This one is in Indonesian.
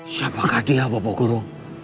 siapakah dia bapak guru